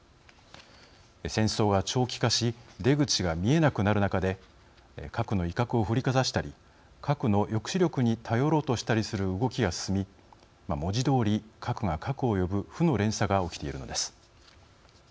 戦争が長期化し出口が見えなくなる中で核の威嚇を振りかざしたり核の抑止力に頼ろうとしたりする動きが進み、文字どおり核が核を呼ぶ負の連鎖が起きているのです。